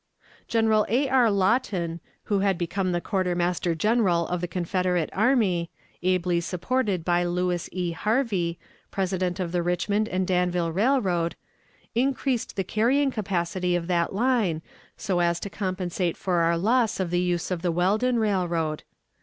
General A. R. Lawton, who had become the quartermaster general of the Confederate army, ably supported by Lewis E. Harvie, President of the Richmond and Danville Railroad, increased the carrying capacity of that line so as to compensate for our loss of the use of the Weldon Railroad.